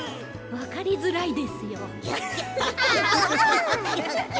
わかりづらいですよ。